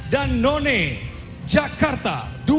dan none jakarta